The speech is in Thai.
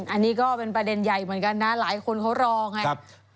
อันนี้ก็เป็นประเด็นใหญ่เหมือนกันนะหลายคนเขารอไง